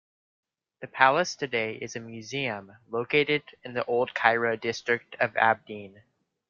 The palace today is a museum, located in the Old Cairo district of Abdeen.